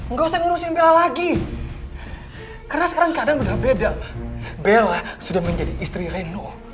nggak usah ngurusin bela lagi karena sekarang kadang udah beda bella sudah menjadi istri reno